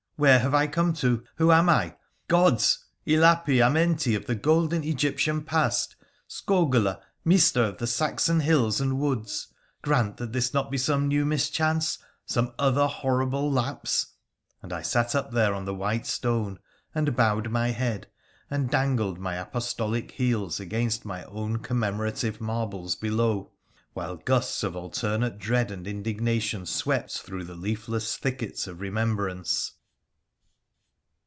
Where have I come to ? Who am I ? Gods ! Hapi, Amenti of the golden Egyptian past, Skogula, Mista of the Saxon hills and woods, grant that this be not some new mischance — some other horrible lapse !' and I sat up there on the white stone, and bowed my head and dangled my apostolic heels against my own commemorative marbles below, while gusts of alternate dread and indignation swept through the leafless thickets of remembrance.